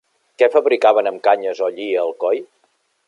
Què fabricaven amb canyes o lli a Alcoi?